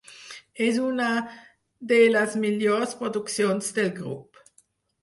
És una de les millors produccions del grup.